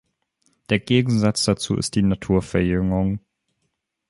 Der Gegensatz dazu ist die Naturverjüngung.